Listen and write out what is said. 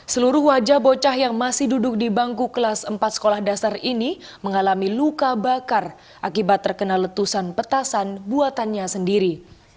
seluruh wajah bocah yang masih duduk di bangku kelas empat sekolah dasar ini mengalami luka bakar akibat terkena letusan petasan buatannya sendiri